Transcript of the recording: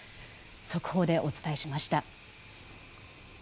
速報でお伝えしました。